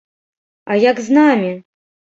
А як з намі?